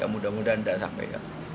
mudah mudahan tidak sampai